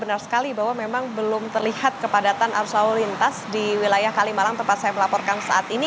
benar sekali bahwa memang belum terlihat kepadatan arus lalu lintas di wilayah kalimalang tempat saya melaporkan saat ini